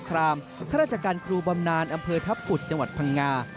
ครัฐการณ์ครูบำนานอำเภอทัพพุทธจังหวัดพังงา